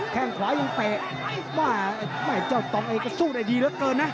แค่งขวายังเตะว่าแม่เจ้าตองเองก็สู้ได้ดีเหลือเกินนะ